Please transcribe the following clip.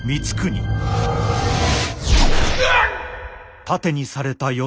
うわっ！